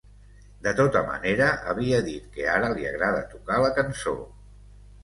De tota manera, havia dit que ara li agrada tocar la cançó.